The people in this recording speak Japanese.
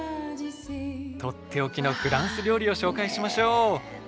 とっておきのフランス料理を紹介しましょう。